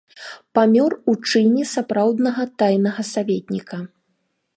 Памёр у чыне сапраўднага тайнага саветніка.